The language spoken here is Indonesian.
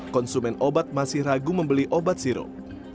konsumen obat masih ragu membeli obat sirup